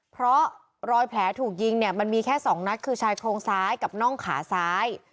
เพราะรอยแผลถูกยิงเนี่ยมันมีแค่๒นัดคือชายโครงซ้ายกับน่องขาซ้าย